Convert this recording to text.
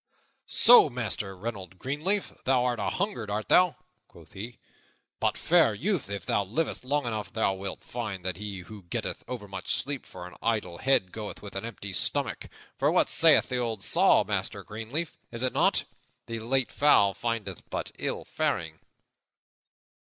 "So, Master Reynold Greenleaf, thou art anhungered, art thou?" quoth he. "But, fair youth, if thou livest long enough, thou wilt find that he who getteth overmuch sleep for an idle head goeth with an empty stomach. For what sayeth the old saw, Master Greenleaf? Is it not 'The late fowl findeth but ill faring'?"